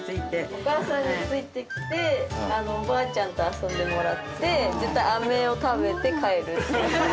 お母さんについて来ておばあちゃんと遊んでもらって絶対飴を食べて帰るっていう。